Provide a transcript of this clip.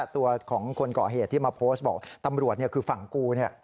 ตัวของคนก่อเหตุที่มาโพสต์บอกตำรวจคือฝั่งกูเนี่ย